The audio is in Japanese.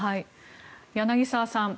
柳澤さん